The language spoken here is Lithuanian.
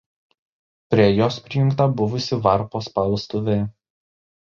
Prie jos prijungta buvusi „Varpo“ spaustuvė.